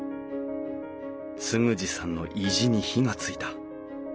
嗣二さんの意地に火がついた。